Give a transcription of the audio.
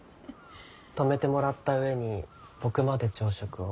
泊めてもらった上に僕まで朝食を。